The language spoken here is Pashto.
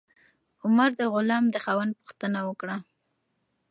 عمر د غلام د خاوند پوښتنه وکړه.